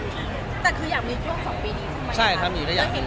แต่คืออยากมีแล้วคือดีตอน๒ปีคือยังอีกที